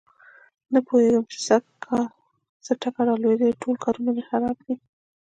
نه پوهېږم چې سږ کل څه ټکه را لوېدلې ټول کارونه مې خراب دي.